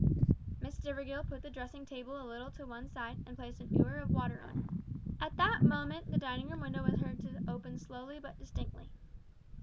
Miss Stivergill put the dressing table a little to one side, and placed a ewer of water on it. At that moment the dining room window was heard to open slowly but distinctly.